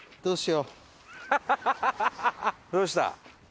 どうした？